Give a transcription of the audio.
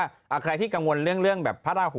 อันนี้เป็นสายพยานาค